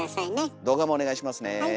動画もお願いしますね。